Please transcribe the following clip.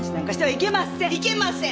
いけません！